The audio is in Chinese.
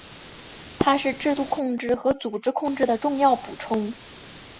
它是制度控制和组织控制的重要补充。